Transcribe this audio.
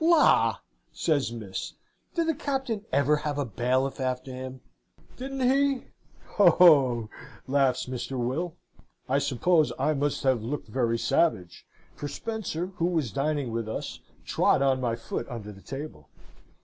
"'La!' says Miss, 'did the Captain ever have a bailiff after him?' "'Didn't he? Ho, ho!' laughs Mr. Will. "I suppose I must have looked very savage, for Spencer, who was dining with us, trod on my foot under the table.